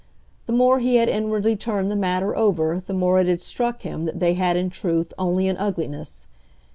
The more he had inwardly turned the matter over the more it had struck him that they had in truth only an ugliness.